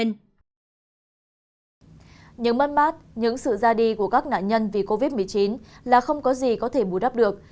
những mất mát những sự ra đi của các nạn nhân vì covid một mươi chín là không có gì có thể bù đắp được